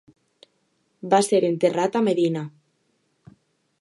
Va ser enterrat a Medina.